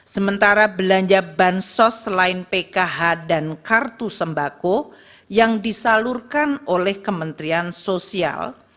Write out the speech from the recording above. sementara belanja bansos selain pkh dan kartu sembako yang disalurkan oleh kementerian sosial